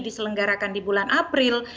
diselenggarakan di bulan april